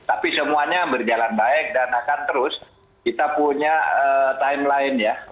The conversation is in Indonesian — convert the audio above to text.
tapi semuanya berjalan baik dan akan terus kita punya timeline ya